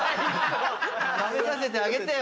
食べさせてあげてよ。